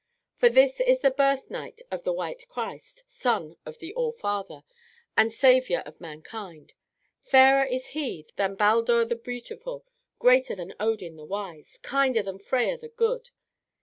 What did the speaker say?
For this is the birth night of the white Christ, son of the All Father, and Saviour of mankind. Fairer is He than Baldur the Beautiful, greater than Odin the Wise, kinder than Freya the Good.